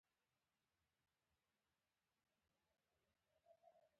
زما کالي وه سپین سپيڅلي د جنت څخه راغلي